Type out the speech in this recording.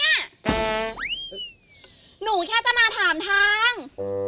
หนูแค่จะมาถามทาง